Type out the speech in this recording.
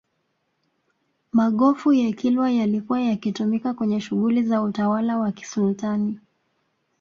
magofu ya kilwa yalikuwa yakitumika kwenye shughuli za utawala wa kisultani